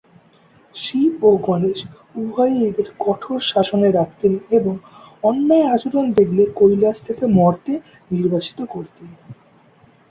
শিব ও গণেশ উভয়েই এদের কঠোর শাসনে রাখতেন এবং অন্যায় আচরণ দেখলে কৈলাস থেকে মর্ত্যে নির্বাসিত করতেন।